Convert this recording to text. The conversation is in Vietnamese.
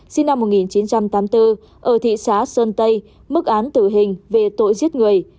sinh năm một nghìn chín trăm tám mươi bốn ở thị xã sơn tây mức án tử hình về tội giết người